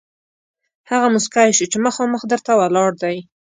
هغه موسکی شو چې مخامخ در ته ولاړ دی.